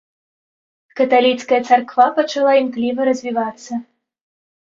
Каталіцкая царква пачала імкліва развівацца.